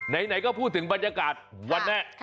ไหนก็พูดถึงบรรยากาศวันแม่